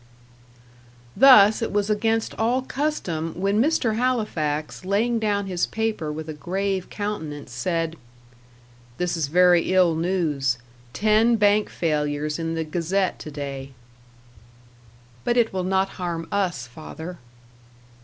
Thus it was against all custom when Mr. Halifax, laying down his paper with a grave countenance, said: "This is very ill news. Ten Bank failures in the Gazette to day." "But it will not harm us, father."